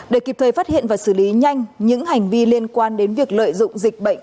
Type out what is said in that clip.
để kịp thời phát hiện và xử lý nhanh những hành vi liên quan đến việc lợi dụng dịch bệnh